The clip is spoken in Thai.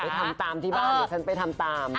ไปทำตามที่บ้านหลุมไปทำตาม